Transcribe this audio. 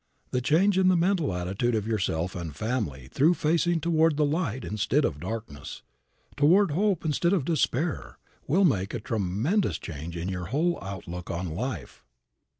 The change in the mental attitude of yourself and family, through facing toward the light instead of darkness, toward hope instead of despair, will make a tremendous change in your whole outlook on life.